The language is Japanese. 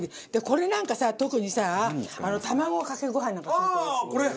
これなんかさ特にさ卵かけご飯なんかにするとおいしい。